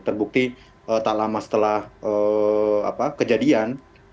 terbukti tak lama setelah kejadian